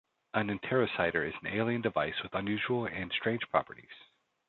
An interocitor is an alien device with unusual and strange properties.